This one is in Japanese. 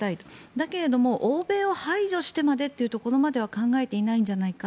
だけれども、欧米を排除してまでというところまでは考えていないんじゃないか。